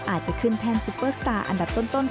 อาจจะขึ้นแท่นซุปเปอร์สตาร์อันดับต้น